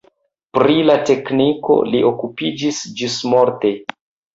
Pri la tekniko li okupiĝis ĝismorte.